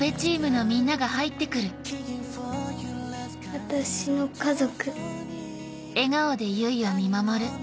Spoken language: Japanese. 私の家族。